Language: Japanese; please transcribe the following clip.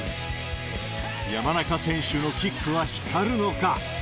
山中選手のキックは光るのか。